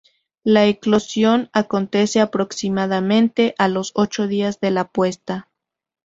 La eclosión acontece aproximadamente a los ocho días de la puesta.